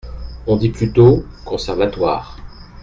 On dit plutôt "Conservatoire".